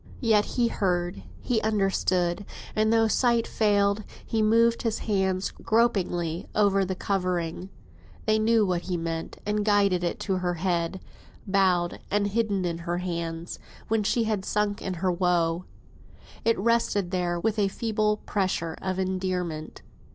Yet he heard, he understood, and though sight failed, he moved his hand gropingly over the covering. They knew what he meant, and guided it to her head, bowed and hidden in her hands, when she had sunk in her woe. It rested there, with a feeble pressure of endearment.